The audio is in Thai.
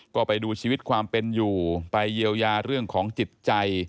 ก็ไปดูชีวิตความเป็นอยู่ไปเยียวยาเรื่องของจิตใจ